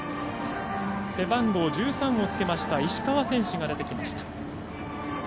背番号１３をつけた石川選手が出てきました。